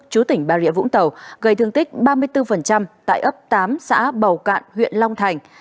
chú tỉnh bà rịa vũng tàu gây thương tích ba mươi bốn tại ấp tám xã bầu cạn huyện long thành